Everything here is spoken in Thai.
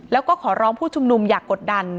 แล้วก็ขอร้องผู้ชุมนุมอย่ากดดัน